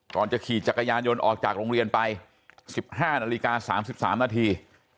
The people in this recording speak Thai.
จะขี่จักรยานยนต์ออกจากโรงเรียนไป๑๕นาฬิกา๓๓นาที